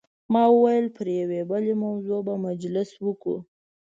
ما وویل پر یوې بلې موضوع به مجلس وکړو.